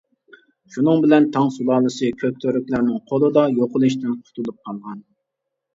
شۇنىڭ بىلەن تاڭ سۇلالىسى كۆكتۈركلەرنىڭ قولىدا يوقىلىشتىن قۇتۇلۇپ قالغان.